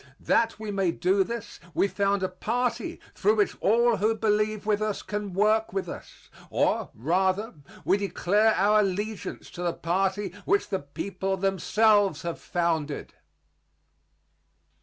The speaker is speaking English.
That we may do this we found a party through which all who believe with us can work with us; or, rather, we declare our allegiance to the party which the people themselves have founded.